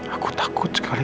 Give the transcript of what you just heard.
aku takut sekali